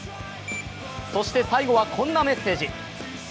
そして、最後はこんなメッセージ。